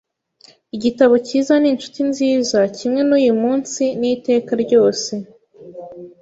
Igitabo cyiza ninshuti nziza, kimwe nuyu munsi n'iteka ryose.